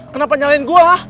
kenapa nyalain gua